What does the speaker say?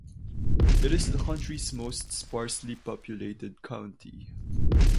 It is the country's most sparsely populated county.